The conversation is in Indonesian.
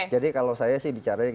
jadi kalau saya sih bicara